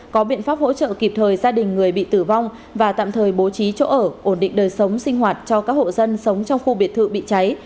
có biện pháp hỗ trợ kịp thời gia đình người bị tử vong và tạm thời bố trí chỗ ở ổn định đời sống sinh hoạt cho các hộ dân sống trong khu biệt thự bị cháy